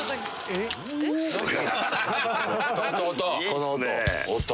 この音！